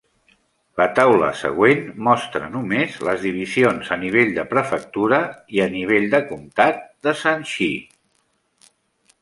La taula següent mostra només les divisions a nivell de prefectura i a nivell de comtat de Shaanxi.